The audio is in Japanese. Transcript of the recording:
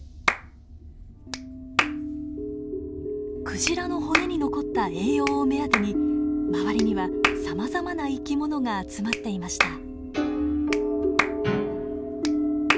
クジラの骨に残った栄養を目当てに周りにはさまざまな生き物が集まっていました。